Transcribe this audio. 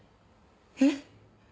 えっ？